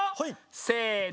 せの！